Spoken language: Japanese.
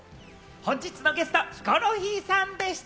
本日のゲスト、ヒコロヒーさんでした。